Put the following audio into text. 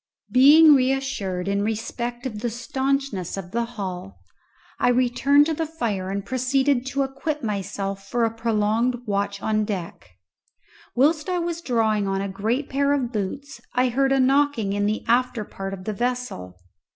Being reassured in respect of the staunchness of the hull, I returned to the fire and proceeded to equip myself for a prolonged watch on deck. Whilst I was drawing on a great pair of boots I heard a knocking in the after part of the vessel.